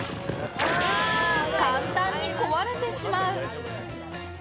簡単に壊れてしまう。